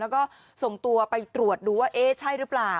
แล้วก็ส่งตัวไปตรวจดูว่าเอ๊ะใช่หรือเปล่า